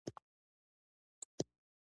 ځان ځاني مانا هر څوک په خپلې لارې.